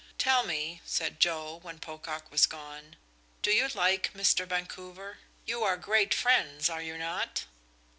"Tell me," said Joe, when Pocock was gone, "do you like Mr. Vancouver? You are great friends, are you not?"